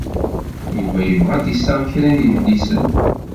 Yuba yebɣa ad d-iseɣ kra n yidlisen.